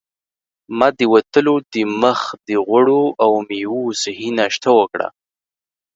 ما د وتلو دمخه د غوړ او میوو صحي ناشته وکړه.